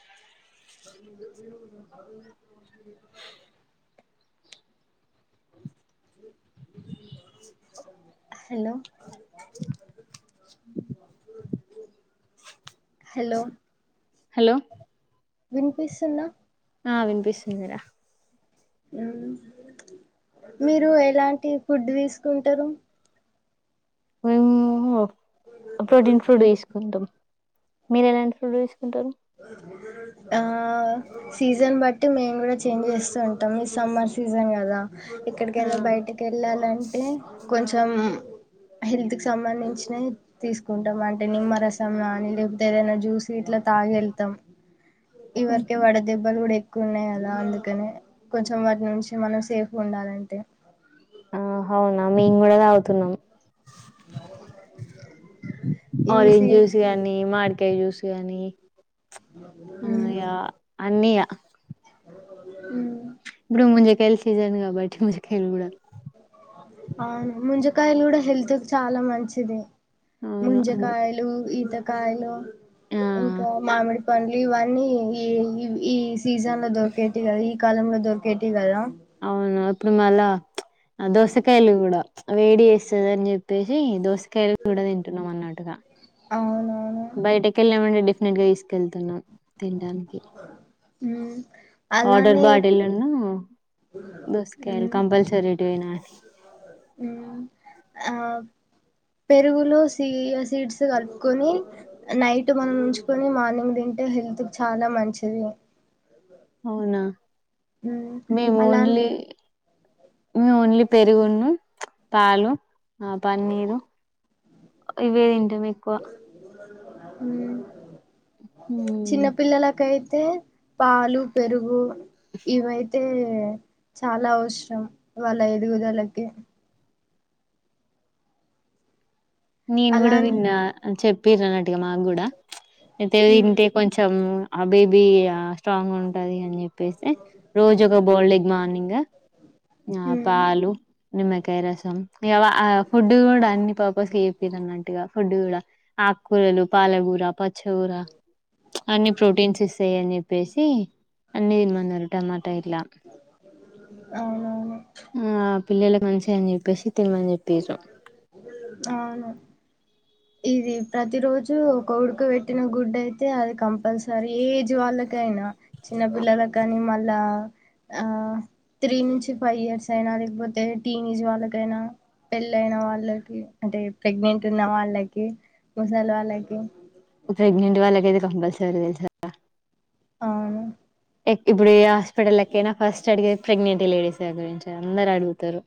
[inaudible] Hello hello hello వినిపిస్తుందా ఆ వినిపిస్తుందిరా మీరు ఎలాంటి ఫుడ్ తీసుకుంటారు ఓ ప్రోటీన్ ఫుడ్ తీసుకుంటాం మీరు ఎలాంటి ఫుడ్ తీసు ఆ సీజన్ బట్టి మేము కూడా చేంజ్ చేస్తూ ఉంటాం ఈ సమ్మర్ సీజన్ కదా ఆ ఎక్కడికైనా బయటకి వెళ్ళాలంటే కొంచెం హెల్త్ కి సంబంధించినయి తీసుకుంటాం అంటే నిమ్మరసం గానీ లేకపోతే ఏదైనా జ్యూస్ ఇట్లా తాగెళ్తాం ఇవరికే వడదెబ్బలు కూడా ఎ కు ఉన్నాయి కదా అందుకనే కొంచెం వాటి నుంచి మనం సేఫ్ గుండాలంటే ఆ హవునా మేము కూడా తాగుతున్నాం ఇది ఆరేంజ్ జూస్ గానీ మాడి కెయ్ జూస్ గానీ ఊ ఇగ అన్నీ యా సీ ఇప్పుడు ముంజికాయల సీసన్ కాబట్టి ముంజికాయలు కూడా అవును ముంజకాయలు కూడా హెల్త్ కు చాలా మంచిదే అవును అందుకే ముంజకాయలు ఈత కాయలు ఆ ఇంకా మామిడి పండ్లు ఇవన్నీ ఈ ఇవ్ ఈ స్ సీసన్ దొరికేటివి కదా ఈ కాలంలో దొరికేటివి గదా అవును ఇప్పుడు మళ్ళ ఆ దోసకాయలు కూడా వేడి చేస్తది అని చెప్పేసి దోశ కాయలు కూడా తింటున్నాం అన్నట్టుగా అవునవును బయటకి వెళ్ళామే డెఫినెట్ గా తీసుకెళ్తున్నా తిండని మ్మ్ వాటర్ అలానే బాటిల్ ను దోసకాయలు ఉమ్ కంపల్సరి ఉమ్ [unintelligible] ఆ పెరుగులు సీ సీడ్స్ కలుపుకొని నైట్ మనం ఉంచుకొని, మార్నింగ్ తింటే హెల్త్ చాలా మంచిది అవునా ఉమ్ మేము అలా ఓన్లీ మీ ఓన్లీ పెరుగును పాలు ఆ పన్నీరు ఇవేం [unintelligible] ఎక్కువ మ్ మ్మ్. చిన్నపిల్లలాకై తె పాలు పెరుగు ఇవైతే హే చాలా అవసరం వాళ్ళ ఎదుగుదలకి నేను కూడా అలానే విన్నా చెప్ పీర నాటిక మా కూడా అయితే ఉమ్ తింటే కొంచెం ఆ బేబీ స్ట్రాంగ్ ఉంటది అని చెప్పేసి రోజు ఒక బోల్డగ్ మార్నింగ్ హు ఆ ఉమ్ పాాలు నిమ్మకాయ రసం, ఇకా అ ఫుడ్ కూడా అన్ని పర్పస్ ఏపీరు అన్నట్టుగా ఫుడ్ కూడా ఆకుకూరలు పాలకూర ప చవురా అన్ని ప్రోటీన్స్ ఇస్తాయి అని చెప్పేసి అన్ని తినమన్నారు కట్ట మాట ఇట్లా అవునవును మ్ అ పిల్లలలకు మంచియ అని చెప్పేసి తినమని చెప్పిర్రు అవును ఇది ప్రతి రోజు ఒక ఉడుక పెట్టిన గుడ్డు అయితే అది కంపల్సరీ ఏజ్ వాళ్ళకైనా, చిన్న పిల్లలకిని మళ్ళా ఆ త్రీ నుంచి ఫైవ్ ఇయర్స్ అయినా లేకపోతే టీనే ఏజ్ వాళ్ళకైనా పెళ్ళన వాళ్ళకి అంటే ప్రెగ్నెంట్ ఉన్న వాళ్ళకి ముసలు వాళ్ళకి ప్రెగ్నెంట్ వాళ్ళకిది కంపల్సరీ తెలుసా అవును ఇప్పుడు హే హాస్పిటల్ ఎక్కైనా ఫస్ట్ అడిగి ప్రెగ్నెంట్ లేడీస్ గురించి అందరు అడుగుతారు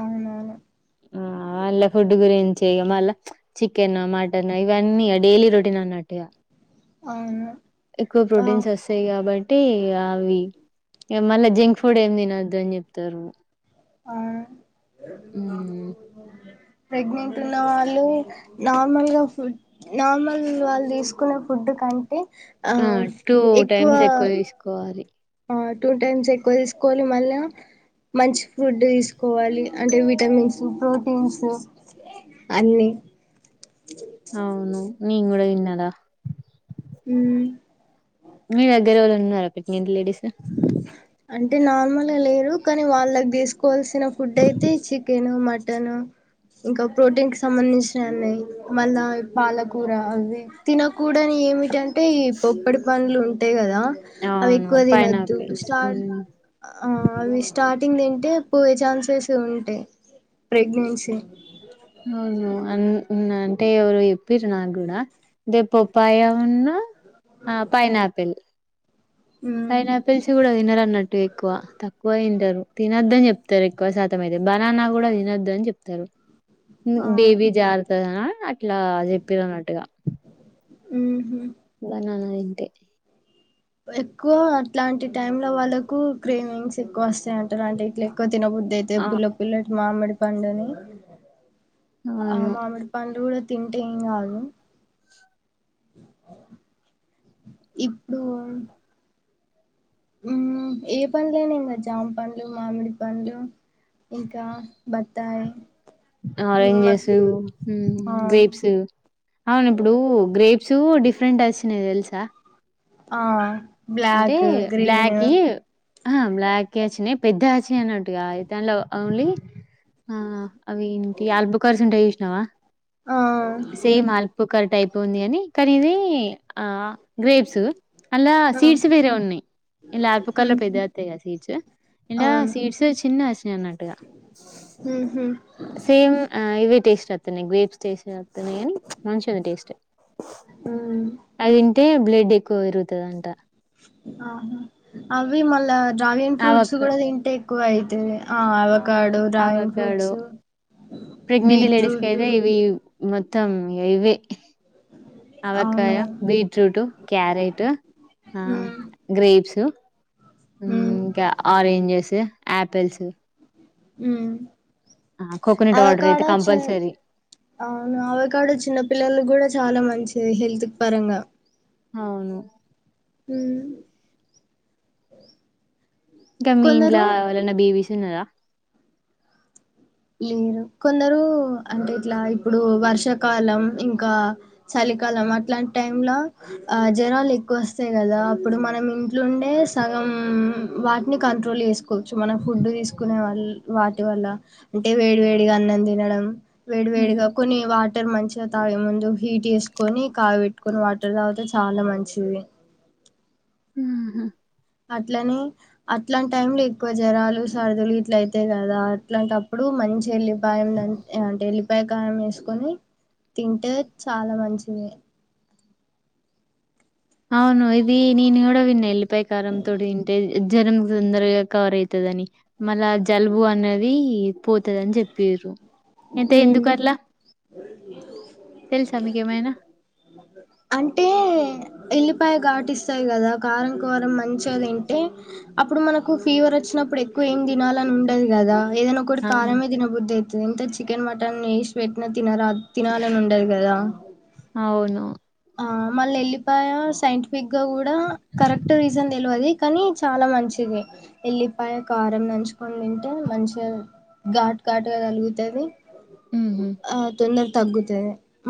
అవునవును అ ఆల్ల ఫుడ్ గురి చేయగ మళ్ళ చికెను మటను ఇవన్నీ డైలీ రొటీన్ అన్నట్టుగా అవును ఎక్కువ ఆ ప్రోటీన్స్ వస్తయి కాబట్ టి ఆవి మళ్ళా జంక్ ఫుడ్ ఏమ్ తినద్దు అని చెప్తారు ఆ ఏ నాలు ప్రెగ్నెంట్ ఉన్నవాళ్ళు నార్మల్గా ఫుడ్ నార్మల్ వాళ్ళు తీసుకునే ఫుడ్ కంటే ఆ టూ టైమ్స్ ఎక్కువ తీసుకోవాలి ఆ టూ టైమ్స్ ఎక్కువ తీసుకోవాలి మళ్ళ మంచ్ ఫుడ్ తీసుకోవాలి అంటే విటమిన్స్ ప్రోటీన్స్ అన్ని అవును నేను గూడా ఇన్న అలా హ్మ్ మీ దగ్గర ఎవరన్నా ఉన్నారా పెగ్నెంట్ లేడీసు అంటే నార్మలగ లేరు కానీ వాళ్ళకి తీసుకు కోవాల్సిన ఫుడ్ అయితే చికెన్ మ టను ఇంకా ప్రోటీన్ కి సంబంధించినవి మళ్ళా పాలకూర అవి తినకూడని ఏమిట అంటే ఈ పొప్పడి పండ్లు ఉం తె కదా అవి అవును ఎక్కువ తినద్ పైనాపిల్స్ స్టా ఉమ్. ఆ అవి స్టార్టింగ్ తింటే పోయే చాన్స్ ఉంటాయ్ ప్రెగ్నెన్సీ హ్మ్ అంటే ఎవరో చెప్పిర్రు నాకు కూడా దే పొప్పాయా ఉన్నా ఆ పైనా ఆపిల్ ఉమ్ పైనాపిల్స్ కూడా తినరు అన్నట్టు ఎక్కువ తక్కువ తింటారు తినద్దని చెప్తారు ఎక్కువ శాతం అయితే బనానా కూడా తినొద్ద అని చెప్తారు ఆ బేబీ జారుతదనా ఇలా చెప్పిరు అన్నట్టుగా హ్మ్ బననా ంటే ఎక్కువ అట్లాంటి టైమ్ లో వాళ్ళ ఎక్కూ క్రీమింగ్స్ ఎక్కువ వస్త టే అంటారు అంటే ఇట్ల ఎక్కోద్ తినబుద్ధయితే ఆ పుల్ల పుల్లటి మామిడి పండుని ఆ అవును మామిడి పండ్లుగూడ తింటే ఏం కాదు ఇప్పుడూ ఉమ్ ఏ పండ్లైనా ఏం కాద్ జామ పండ్లు, మామిడి పండ్లు ఇంకా బత్తాయి నిమ్మ ఆరెంజెసు హ్మ ఆ గ్రేప్స్ అవును ఇప్పుడూ గ్రేప్సు డిఫ్ ఫ్రెంట్ అచ్చినై తెల్సా ఆ అంటే బ్లాక్ గ్రీన్ బ్లాకీయ ఆ బ్లాకె అచ్చినయి. పెద్దై అచ్చినై అన్నట్టుగా దాంన్లో ఓన్లీ ఆ అవి ఇంటి ఆల్బుకార్స్ ఉంటయి చూస్ నవా ఆ సేమ్ అల్బుకార్ టైప్ ఉంది అని కానీ ఇదీ ఆ గ్రేప్సు అల్ ఆ సీడ్స్ వేరే ఉన్నయి, ఇల్లా ఆల్బుకార్లో మ్మ్ పెద్దై వత్తయి కదా సీడ్స్, ఇల్లా అవును సీడ్స్ చిన్నయి వచ్చినయి అన్నట్టుగా. మ్మ్ హ్మ్ సేమ్ ఆ ఇవే టేస్ట్ వత్తున్నయి గ్రేప్స్ టేస్ట్ వత్తున్నయి గానీ మంచి గుంది టేస్ట్. ఆ అవి తింటే బ్లడ్ ఎక్కువ పెరుగతది అంటా. ఆహా అవి మళ్ళా డ్రాగన్ ఫ్రూట్స్ ఆవక కూడా తింటే క్కువ అయితే ప్రెగ్నెంట్ లేడీస్ బీట్రూట్ కైయితే ఇవి మోత్తం ఇగ యివే. అవకాయ, అవును బీట్రూటు, క్యారెట ఆ ఉమ్ గ్రేప్సు ఉమ్ ఇంకా ఆరెంజెస ఆపిల్స్ ఊ కోకోనట్ వాటర్ అయితే అవకాడో చిన్ కంపల్సరీ ఆ అవకాడో చిన్న పిల్లలకు కూడా చాలా మంచ్ హెల్తుక్ పరంగా అవును హ్మ ఇంకా మీ ఇంట్లా కొందరు ఎవరన్నా బీవీస్ తిన్నర లేరు కొందరు అంటే ఇట్లా ఇప్పుడు వర్షాకాలం ఇంకా చలికాలం అట్లాంటి టైమ్ ల ఆ జ్వరాలు ఎక్కువ వస్తాయి కదా అప్పుడు మనం ఇంట్లుండే సగం వాటిని కంట్రోల్ చేసుకు కొంచెం మన ఫుడ్ తీసుకునే వాళ్ళు వాటి వల్ల అంటే వేడి వేడిగా అన్నం తినడం వేడి ఉమ్. వేడిగా కొన్ని వా టే మంచిగా తాగె ముందు హీట్ చేసుకొని కాగ పెట్టుకొని వాటర్ తాగితే చాన మంచిది ఆహ అట్లని అట్లాంటి టైం లో ఎక్కువ జ్వరాలు సరదులు ఇట్ల అయితయి కదా అట్లాంటప్పుడు మంచి ఎలి పాయం దంచ్ అంటే ఎలి పాయకారం ఏసుకొని తింటే చాలా మంచిది అవును ఇది నేను కూడ విన్న ఎల్ పాయికారంతోటి తింటే జ్వరం తొందరగా కవర్ అయితదని మళ్ళా జలుబు అన్నది పోతదని చెప్పిర్రు ఎంత ఉమ్ ఎందుకట్లా తెలుసా మీకేమైనా అంటే ఎల్లిపాయ ఘాటిస్తది కదా కారం కారం మంచిగ తింటే అప్పుడు మనకు ఫీవర్ వచ్చినప్పుడు ఎక్కువ ఏం తినాలని ఉండదు కదా ఏదైనా ఒకటి ఆహా. కారమే దినబుద్ధయిత్ ఎంత చికెన్ మటన్ ఏసీ పెట్న తినరాద్ తినాలని ఉండదు కదా అవును ఆ మళ్ళీ ఎల్లిపాయ సైంటిఫిగక్ గా కూడా కరెక్ట్ రీజన్ తెలివది కానీ చాలా మంచిది ఎల్లిపాయ కారం నంజుకొని తింటే మంచిగా ఘాటు ఘాటుగా తలుగుతది ఉహు ఆ తొందర్ తగ్గుతది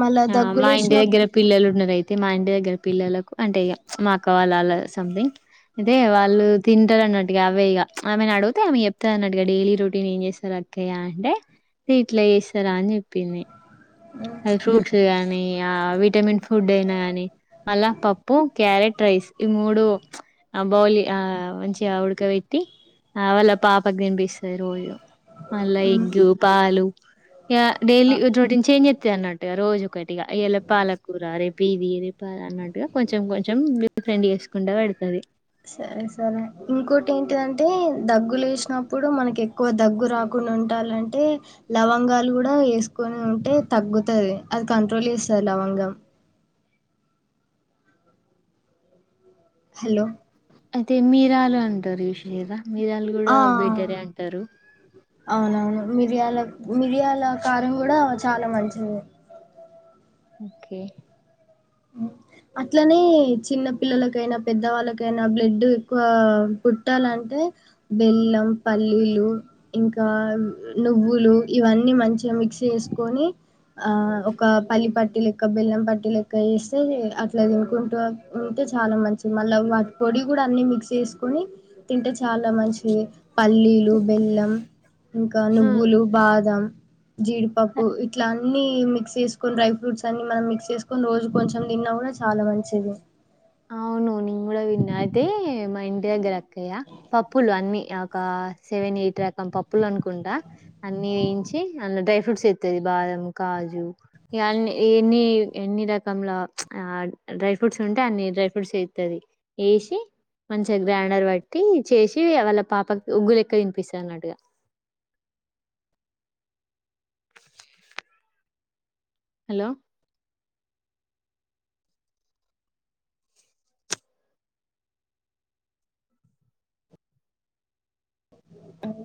మళ్ళా ఆ మా దగ్గులేసిన ఇంటి దగ్గర పిల్లలు అయితే మా ఇంటి దగ్గర పిల్లలకు అంటే ఇక మా అక్క వాళ్ళు అలా సంథింగ్ అయితే వాళ్ళు తింటరు అన్నట్టుగా అవే ఇక ఆమెను అడిగితే ఆమె చెప్తదన్నట్టుగా డైలీ రొటీన్ ఏం చేస్తారు అక్కయ్యా అంటే ఇట్లా చేస్తారా అని చెప్పింది హ్మ్. మ్ ఫ్రూట్స్ గానీ ఆ విటమిన్ ఫుడ్ అయినా ని మళ్ళ పప్పు క్యారెట్ రైస్ ఈ మూడు బౌలి ఆ మంచిగా ఉడకబెట్టి వాళ్ళ పాపకు తినిపిస్తది రోజు మళ్ళ హ్మ్. ఎగ్గు పాలు యా ఆ! డైలీ రోటిన్ అన్నట్టుగా రోజు ఒకటిగా ఇయాళ పాలకూర రేపు ఇది రేపు అది అన్నట్టుగా కొంచెం కొంచెం డిఫరెంట్ చేసుకుంటా పెడతది సరే సరే ఇంకోటి ఏంటిదం టే దగ్గు లేసినప్పుడు మనకి ఎక్కువ దగ్గు రాకుండా ఉండాలంటే లవంగాలు కూడా వేసుకొని ఉంటే తగ్గుతది అది కంట్రోల్ చేస్తది లవంగం హలో అయితే మీరాలు అంటరు చూసిర్రా మీరాలు కూడా ఆ బేటరే అంటరు అవునవును మిరియాల మిరియాల కారం కూడా చాలా మంచిది ఒకే అట్లనే చిన్న పిల్లలకైనా పెద్దవాళ్ళకైనా బ్లడ్ ఎక్కువ పుట్టాలంటే బెల్లం పల్లీలు ఇంకా నువ్వులు ఇవన్నీ మంచిగా మిక్స్ చేసుకొని ఆ ఒక పల్లి పట్టి లెక్క బెల్లం పట్టి లెక్క వేస్తే అట్లా తినుకుంటూ తింటే చాలా మంచిది మళ్ళీ వాటి పొడి కూడా అన్ని మిక్స్ చేసుకుని తింటే చాలా మంచిది పల్లీలు బెల్లం ఇంకా ఆ నువ్వులు బాదం జీడిపప్పు ఇట్లాంటి అన్ని మిక్స్ చేసుకుని డై ఫ్రూట్స్ అన్ని మనం మిక్స్ చేసుని కొ రోజు కొంచెం తిన్నా కూడా చాలా మంచిది అవును నేను కూడా విన్నా అయితే మా ఇంటి దగ్గర అక్కాయా పప్పులు అన్ని ఒక సెవెన్ ఎయిట్ రకం పప్పులు అనుకుంటా అన్ని వేయించి అందు డ్రై ఫ్రూట్స్ ఎతుది బాదం కాజు ఇ అన్ని ఎన్ని ఎన్ని రకల డ్రై ఫ్రూట్స్ ఉంటే అన్ని డ్రై ఫ్రూట్స్ అవుతుంది వేసి మంచిగా గ్రైండర్ బట్టి చేసి వాళ్ళ పాపకి ఉగ్గుల ఎక్క తినిపిస్త అన్నట్టుగా హలో అవు